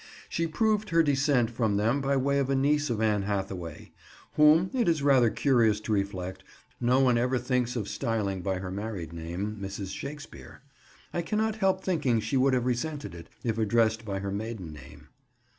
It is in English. She proved her descent from them by way of a niece of Anne Hathaway; whom, it is rather curious to reflect, no one ever thinks of styling by her married name, "Mrs. Shakespeare." I cannot help thinking she would have resented it, if addressed by her maiden name.